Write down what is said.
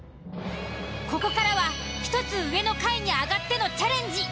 ここからは１つ上の階に上がってのチャレンジ。